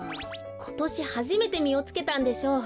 ことしはじめてみをつけたんでしょう。